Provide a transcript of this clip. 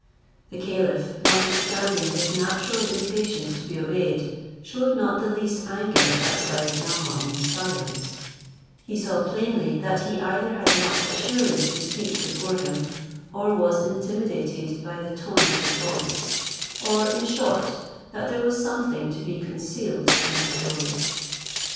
The caliph, notwithstanding his natural impatience to be obeyed, shewed not the least anger at Syed Naomaun's silence: he saw plainly, that he either had not assurance to speak before him, or was intimidated by the tone of his voice; or, in short, that there was something to be concealed in his story.